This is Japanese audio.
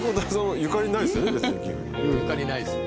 ゆかりないです。